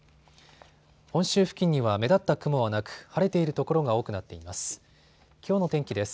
本州付近には目立った雲はなく晴れている所が多くなっています。